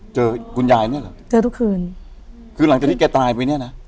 เจอคุณยายเนี่ยเหรอเจอทุกคืนคือหลังจากที่แกตายไปเนี้ยนะ